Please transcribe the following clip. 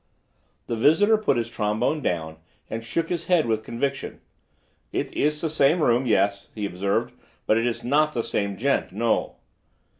The visitor put his trombone down and shook his head with conviction. "It iss the same room, yes," he observed. "But it iss not the same gent, no."